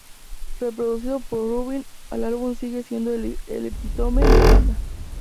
Producido por Rubin, el álbum sigue siendo el epítome de la banda.